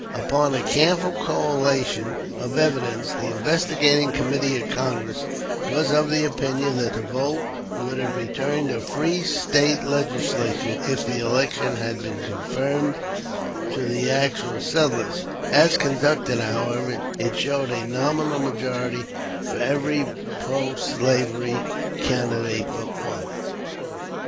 Upon a careful collation of evidence the investigating committee of Congress was of the opinion that the vote would have returned a free State legislature if the election had been confined to the actual settlers; as conducted, however, it showed a nominal majority for every pro slavery candidate but one.